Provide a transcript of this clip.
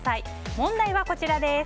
問題はこちらです。